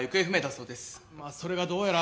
それがどうやら。